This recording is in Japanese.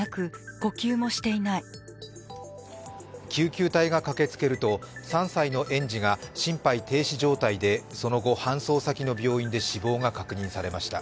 救急隊が駆けつけると３歳の園児が心肺停止状態でその後、搬送先の病院で死亡が確認されました。